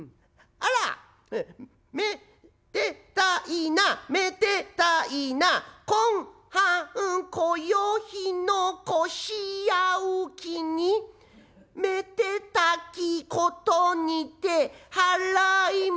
『あらめでたいなめでたいなこんはんこよひのこしやうきにめてたきことにてはらいましやう』」。